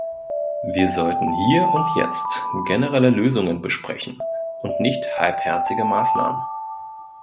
Wir sollten hier und jetzt generelle Lösungen besprechen und nicht halbherzige Maßnahmen.